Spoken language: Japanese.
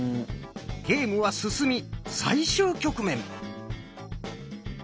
ゲームは進み最終局面。